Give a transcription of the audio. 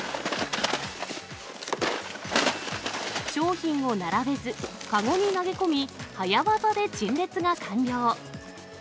商品を並べず、籠に投げ込み、早業で陳列が完了。